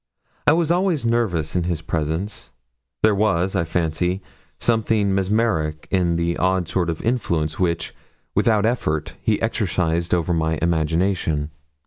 I was always nervous in his presence; there was, I fancy, something mesmeric in the odd sort of influence which, without effort, he exercised over my imagination.